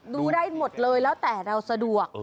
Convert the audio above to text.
ดูได้หมดเลยแล้วแต่เราสะดวก